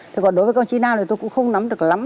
thế còn đối với công chí nào thì tôi cũng không nắm được lắm